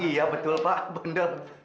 iya betul pak bandel